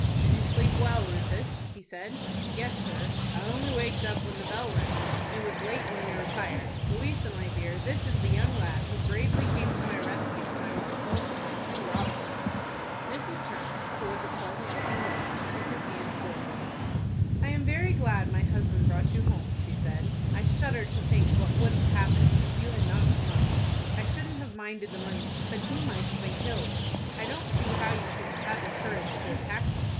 "Did you sleep well, Rufus?" he said. "Yes, sir. I only waked up when the bell rang." "It was late when we retired. Louisa, my dear, this is the young lad who bravely came to my rescue when I was assaulted by two robbers." Mrs. Turner, who was a pleasant looking lady, took his hand cordially. "I am very glad my husband brought you home," she said. "I shudder to think what would have happened, if you had not come up. I shouldn't have minded the money; but he might have been killed. I don't see how you could have had the courage to attack them."